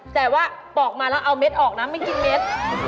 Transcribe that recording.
แต่ว่าออกมาแล้วเอาเม็ดออกนะไม่กินเม็ด